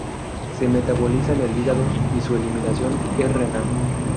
Se metaboliza en el hígado y su eliminación es renal.